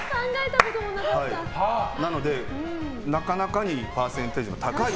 なので、なかなかにパーセンテージが高い。